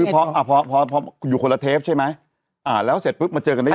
คือพออยู่คนละเทปใช่ไหมอ่าแล้วเสร็จปุ๊บมันเจอกันได้ยังไง